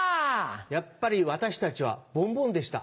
やっぱり私たちはボンボンでした。